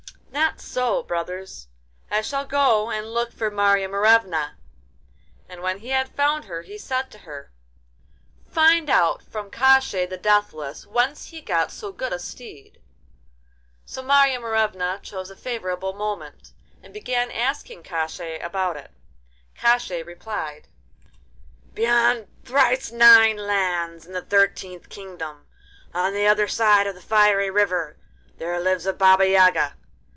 'Not so, brothers; I shall go and look for Marya Morevna.' And when he had found her, he said to her: 'Find out from Koshchei the Deathless whence he got so good a steed.' So Marya Morevna chose a favourable moment, and began asking Koshchei about it. Koshchei replied: 'Beyond thrice nine lands, in the thirtieth kingdom, on the other side of the fiery river, there lives a Baba Yaga.